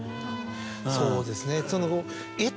そうですね。